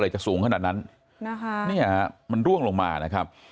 อะไรจะสูงขนาดนั้นมันร่วงลงมานะครับ